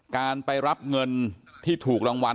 การไปรับเงินที่ถูกรางวัล